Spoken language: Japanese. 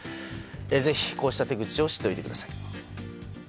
ぜひこうした手口を知っておいてください。